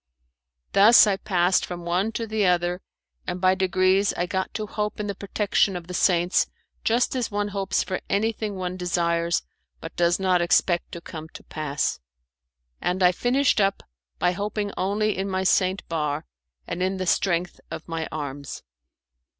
Thus I passed from one to the other, and by degrees I got to hope in the protection of the saints just as one hopes for anything one desires, but does not expect to come to pass; and I finished up by hoping only in my Saint Bar, and in the strength of my arms.